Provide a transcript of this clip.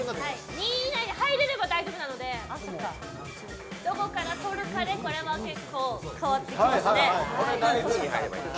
２位以内に入れれば大丈夫なのでどこから取るかで変わってきますね。